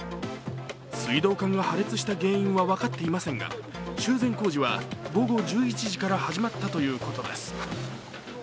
水道管が破裂した原因は分かっていませんが修繕工事は午後１１時から始まったということです。